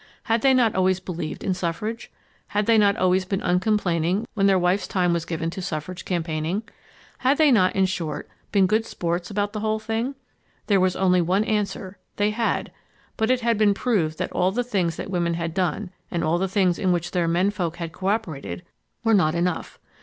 Had they not always believed in suffrage? Had they not always been uncomplaining when their wife's time was given to suffrage campaigning? Had they not, in short, been good sports about the whole thing? There was only one answer. They had. But it had been proved that all the things that women had done and all the things in which their menfolk had cooperated, were not enough.